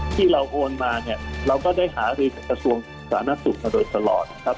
ที่เราโอนมาเราก็ได้หารีบกับส่วนศาลนักศึกษาโดยตลอดนะครับ